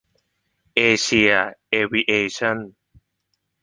เอเชีย เอวิเอชั่น